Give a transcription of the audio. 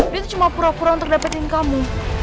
itu cuma pura pura untuk dapetin kamu